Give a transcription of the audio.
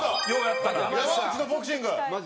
山内のボクシング。